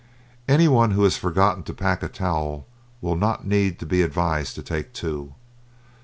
Any one who has forgotten to pack a towel will not need to be advised to take two.